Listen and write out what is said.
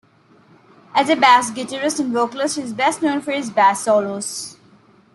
As a bass guitarist and vocalist he is best known for his bass solos.